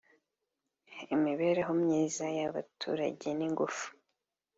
imibereho myiza y’abaturage n’ingufu